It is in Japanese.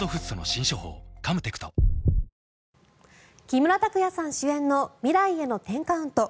木村拓哉さん主演の「未来への１０カウント」。